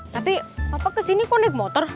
tapi bapak kesini kok naik motor